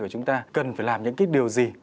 và chúng ta cần phải làm những cái điều gì